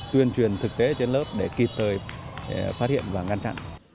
tuyên truyền thực tế trên lớp để kịp thời phát hiện và ngăn chặn